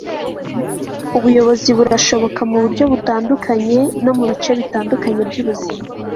ubuyobozi burashoboka muburyo butandukanye, no mubice bitandukanye byubuzima